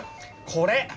これ！